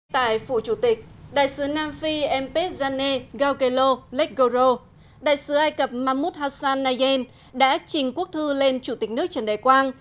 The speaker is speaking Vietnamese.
tại phủ chủ tịch đại sứ nam phi m p jane gauguelo legoro đại sứ ai cập mahmoud hassan nayen đã trình quốc thư lên chủ tịch nước trần đại quang